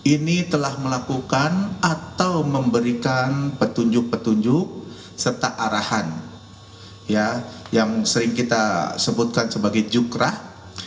ini telah melakukan atau memberikan petunjuk petunjuk serta arahan yang sering kita sebutkan sebagai jukrah